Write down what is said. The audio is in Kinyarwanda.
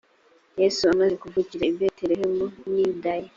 yesu amaze kuvukira i betelehemu n y i yudaya